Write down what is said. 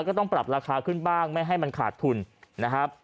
ก็ต้องปรับราคาขึ้นบ้างไม่ให้มันขาดทุนนะครับ